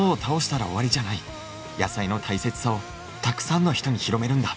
「野菜の大切さを沢山の人に広めるんだ」